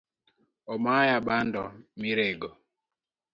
Omaya bando mirego